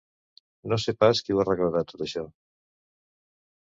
No sé pas qui ho arreglarà tot això